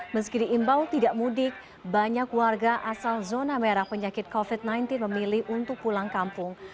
meski diimbau tidak mudik banyak warga asal zona merah penyakit covid sembilan belas memilih untuk pulang kampung